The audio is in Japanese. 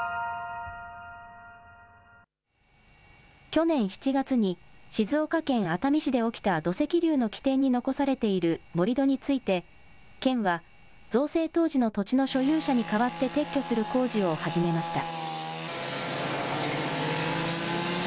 去年７月に静岡県熱海市で起きた土石流の起点に残されている盛り土について県は造成当時の土地の所有者に代わって撤去する工事を始めました。